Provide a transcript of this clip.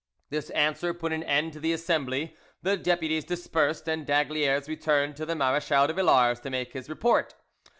This answer put an end to the assembly, the deputies dispersed, and d'Aygaliers returned to the Marechal de Villars to make his report.